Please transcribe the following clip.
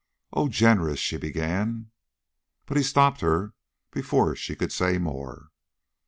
"Oh, generous " she began. But he stopped her before she could say more.